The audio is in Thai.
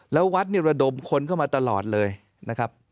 แล้ววัดเนี่ยระดมคนเข้ามาตลอดเลยนะครับ